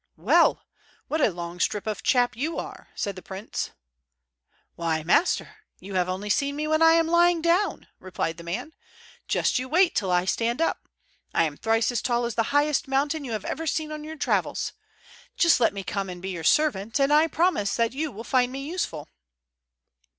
"Well, what a long strip of a chap you are!" said the prince. "Why, master, you have only seen me when I am lying down," replied the man. "Just you wait till I stand up. I am thrice as tall as the highest mountain you have ever seen on your travels. Just let me come and be your servant, and I promise that you will find me useful."